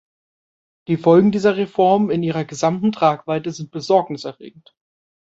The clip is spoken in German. Die Folgen dieser Reform in ihrer gesamten Tragweite sind Besorgnis erregend.